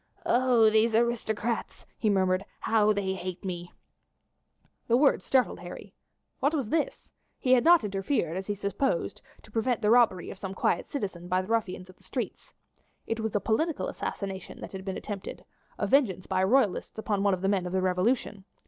"Oh these aristocrats," he murmured, "how they hate me!" The words startled Harry. What was this? He had not interfered, as he had supposed, to prevent the robbery of some quiet citizen by the ruffians of the streets. It was a political assassination that had been attempted a vengeance by Royalists upon one of the men of the Revolution.